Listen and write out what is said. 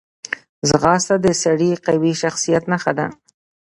ځغاسته د سړي قوي شخصیت نښه ده